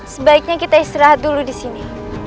sebaiknya kita istirahat dulu disini